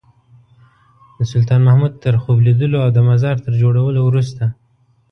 د سلطان محمود تر خوب لیدلو او د مزار تر جوړولو وروسته.